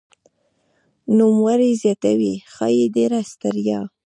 نوموړی زیاتوي "ښايي ډېره ستړیا